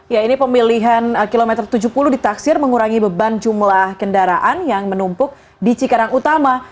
ya ini pemilihan kilometer tujuh puluh ditaksir mengurangi beban jumlah kendaraan yang menumpuk di cikarang utama